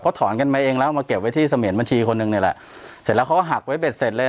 เขาถอนกันมาเองแล้วมาเก็บไว้ที่เสมียนบัญชีคนหนึ่งนี่แหละเสร็จแล้วเขาก็หักไว้เบ็ดเสร็จเลย